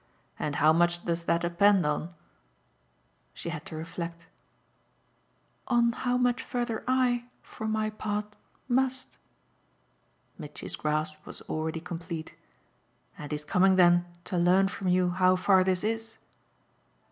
"And how much does that depend on?" She had to reflect. "On how much further I, for my part, MUST!" Mitchy's grasp was already complete. "And he's coming then to learn from you how far this is?"